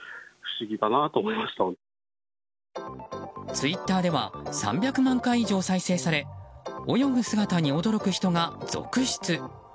ツイッターでは３００万回以上再生され泳ぐ姿に驚く人が続出。